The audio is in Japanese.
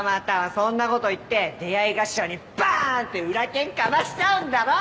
そんなこと言って出合い頭にバーンって裏拳かましちゃうんだろ？